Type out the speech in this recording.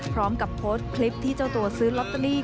พร้อมกับโพสต์คลิปที่เจ้าตัวซื้อลอตเตอรี่